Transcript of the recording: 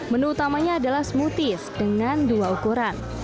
menu utamanya adalah smoothies dengan dua ukuran